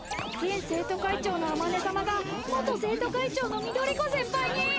現生徒会長のあまね様が元生徒会長の翠子先輩に。